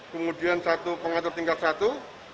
kemudian satu pengatur tingkat satu